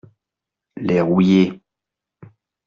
Les rouillés.